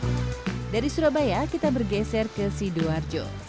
lontong lentong balap dari surabaya kita bergeser ke sidoarjo